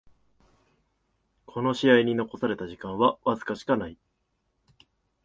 この試合に残された時間はわずかしかない